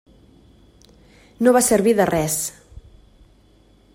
No va servir de res.